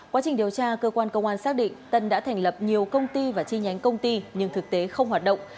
quá trình điều tra cơ quan công an xác định tân đã thành lập nhiều công ty và chi nhánh công ty nhưng thực tế không hoạt động